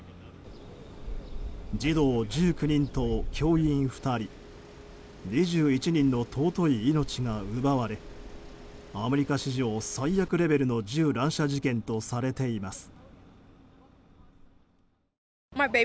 児童１９人と教員２人２１人の尊い命が奪われアメリカ史上最悪レベルの銃乱射事件とされています。